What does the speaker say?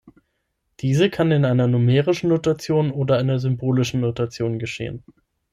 Diese kann in einer numerischen Notation oder einer symbolischen Notation geschehen.